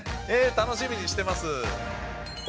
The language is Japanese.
楽しみにしてます。